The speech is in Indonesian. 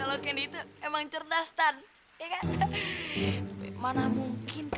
lihat dia udah jadi anak yang baik